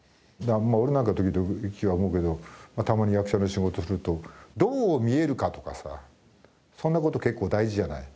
俺なんか時々思うけどたまに役者の仕事をするとどう見えるかとかさそんな事結構大事じゃない？